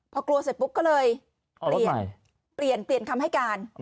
พอกลัวเสร็จปุ๊บก็เลยเปลี่ยนเปลี่ยนเปลี่ยนคำให้การ